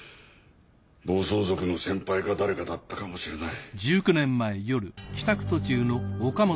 暴走族の先輩か誰かだったかもしれない。